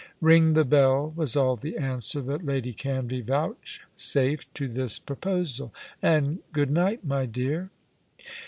"Ring the bell," was all the answer that Lady Canvey vouchsafed to this proposal; "and goodnight, my dear."